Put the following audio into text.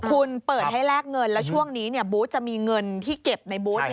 คุณเปิดให้แลกเงินแล้วช่วงนี้บูธจะมีเงินที่เก็บในบูธ